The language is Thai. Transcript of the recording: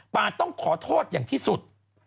ต้องขอโทษอย่างที่สุด